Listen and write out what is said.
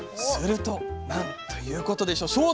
するとなんということでしょう。